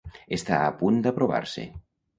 Està a punt d’aprovar-se.